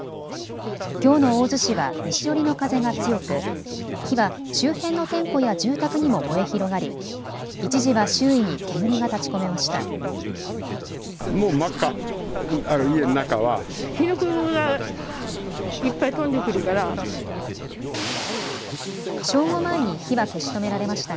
きょうの大洲市は西寄りの風が強く、火は周辺の店舗や住宅にも燃え広がり一時は周囲に煙が立ちこめました。